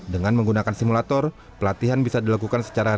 dengan menggunakan simulator pelatihan bisa dilakukan secara real